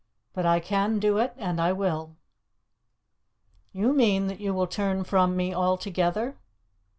But I can do it, and I will." "You mean that you will turn from me altogether?"